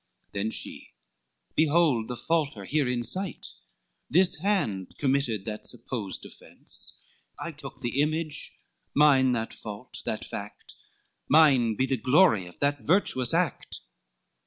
Then she, "Behold the faulter here in sight, This hand committed that supposed offence, I took the image, mine that fault, that fact, Mine be the glory of that virtuous act."